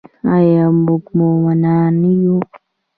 آیا موږ مومنان یو؟